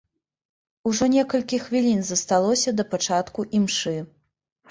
Ужо некалькі хвілін засталося да пачатку імшы.